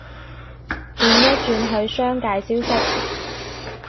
轉一轉去商界消息